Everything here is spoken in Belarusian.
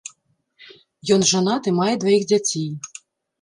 Ён жанаты, мае дваіх дзяцей.